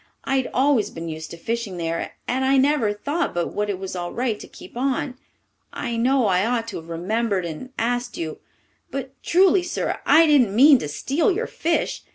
I'd always been used to fishing there, and I never thought but what it was all right to keep on. I know I ought to have remembered and asked you, but truly, sir, I didn't mean to steal your fish.